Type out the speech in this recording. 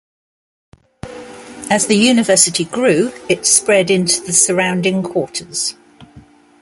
As the university grew, it spread into the surrounding quarters.